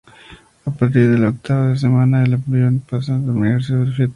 A partir de la octava semana, el embrión pasa a denominarse feto.